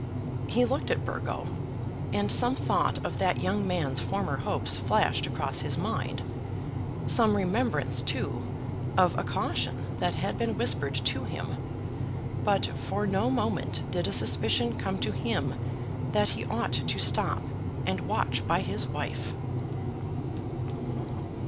He looked at Burgo, and some thought of that young man's former hopes flashed across his mind, some remembrance, too, of a caution that had been whispered to him; but for no moment did a suspicion come to him that he ought to stop and watch by his wife.